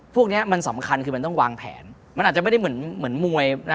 พวกนี้มันสำคัญคือมันต้องวางแผนมันอาจจะไม่ได้เหมือนมวย